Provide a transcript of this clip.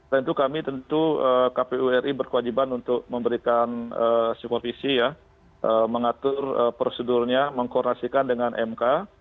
tentu kami tentu kpu ri berkewajiban untuk memberikan supervisi ya mengatur prosedurnya mengkoordinasikan dengan mk